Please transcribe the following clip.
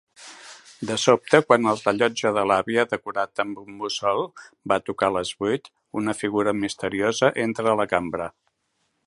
De sobte, quan el rellotge de l'àvia decorat amb un mussol va tocar les vuit, una figura misteriosa entra a la cambra.